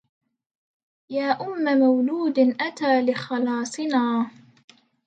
يا أم مولود أتى لخلاصنا